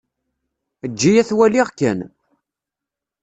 Eǧǧ-iyi ad t-waliɣ kan.